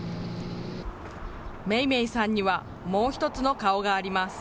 めいめいさんにはもう一つの顔があります。